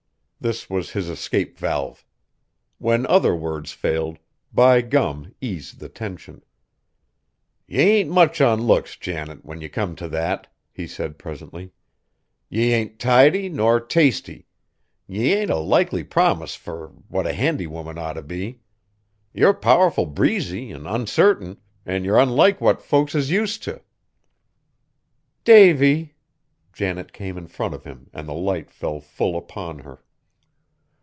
This was his escape valve. When other words failed, "by gum" eased the tension. "Ye ain't much on looks, Janet, when ye come to that," he said presently. "Ye ain't tidy, nor tasty; ye ain't a likely promise fur what a handy woman ought t' be. Yer powerful breezy an' uncertain, an' yer unlike what folks is use t'." "Davy!" Janet came in front of him and the light fell full upon her.